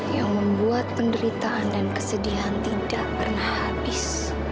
yang membuat penderitaan dan kesedihan tidak pernah habis